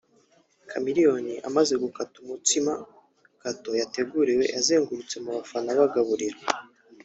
Chameleone amaze gukata umutsima [gateau] yateguriwe yazengurutse mu bafana abagaburira